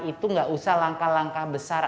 itu nggak usah langkah langkah besar